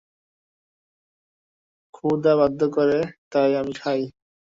ক্ষুধা বাধ্য করে, তাই আমি খাই।